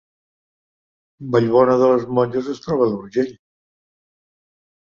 Vallbona de les Monges es troba a l’Urgell